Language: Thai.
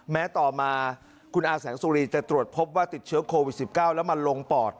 แม้ต่อมาคุณอาแสงสุรีจะตรวจพบว่าติดเชื้อโควิด๑๙แล้วมันลงปอด